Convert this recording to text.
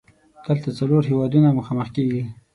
دلته څلور هیوادونه مخامخ کیږي.